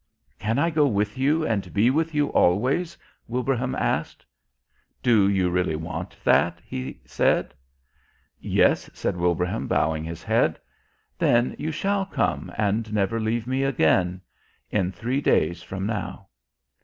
"Can I go with You and be with You always?" Wilbraham asked. "Do you really want that?" He said. "Yes," said Wilbraham, bowing his head. "Then you shall come and never leave Me again. In three days from now."